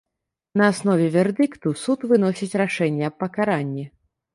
На аснове вердыкту суд выносіць рашэнне аб пакаранні.